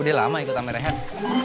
udah lama ikut amirahat